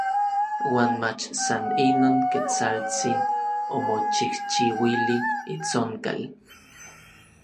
Uan mach san inon, Ketsaltsin omochijchiuili itsonkal.